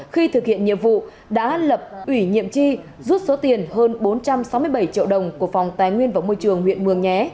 khi thực hiện nhiệm vụ đã lập ủy nhiệm chi rút số tiền hơn bốn trăm sáu mươi bảy triệu đồng của phòng tài nguyên và môi trường huyện mường nhé